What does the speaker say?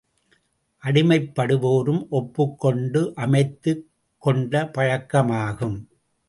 அடிமைப்படுவோரும் ஒப்புக்கொண்டு அமைத்துக் கொண்ட பழக்கமாகும்.